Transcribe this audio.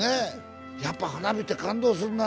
やっぱ花火って感動するな。